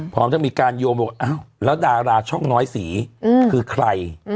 พร้อมทั้งมีการโยมว่าแล้วดาราช่องน้อยสีคือใคร